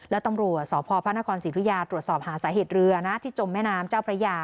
และตำรวจสพพระนครศรีธุยาตรวจสอบหาสาเหตุเรือนะที่จมแม่น้ำเจ้าพระยา